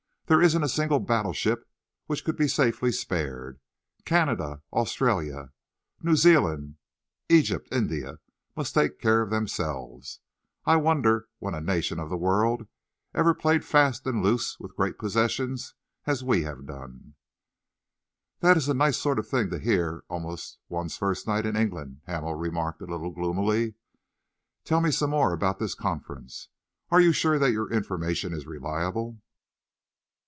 There isn't a single battleship which could be safely spared. Canada, Australia, New Zealand, Egypt, India, must take care of themselves. I wonder when a nation of the world ever played fast and loose with great possessions as we have done!" "This is a nice sort of thing to hear almost one's first night in England," Hamel remarked a little gloomily. "Tell me some more about this conference. Are you sure that your information is reliable?"